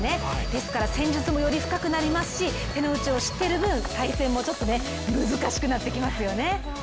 ですから戦術もより深くなりますし、手の内を知ってる分、対戦も難しくなってきますよね。